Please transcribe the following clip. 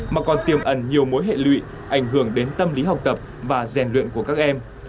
mà còn tiềm ẩn nhiều mối hệ lụy ảnh hưởng đến tâm lý học tập và rèn luyện của các em